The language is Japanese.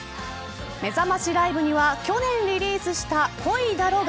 めざましライブには去年リリースした、恋だろが